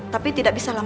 tapi tidak bisa lama lama